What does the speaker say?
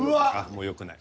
もうよくない。